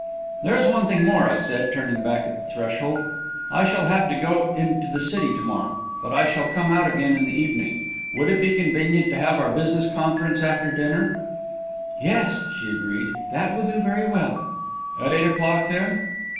"There is one thing more," I said, turning back at the threshold. "I shall have to go in to the city to morrow, but I shall come out again in the evening. Would it be convenient to have our business conference after dinner?" "Yes," she agreed; "that will do very well." "At eight o'clock, then?"